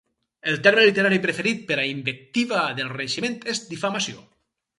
El terme literari preferit per a invectiva del Renaixement és difamació.